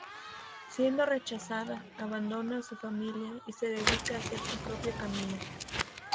Siendo rechazada, abandona a su familia, y se dedica a hacer su propio camino.